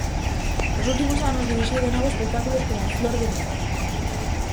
Nos últimos anos dirixiu de novo espectáculos como "Flor de Nit".